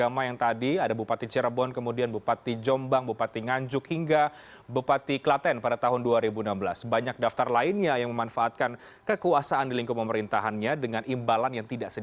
emang tampak elschoens sama sama di philanthropic sama jadi team hyajoin i packages